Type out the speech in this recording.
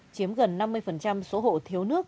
chiếm gần năm mươi số hộ thiếu nước